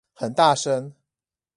很大聲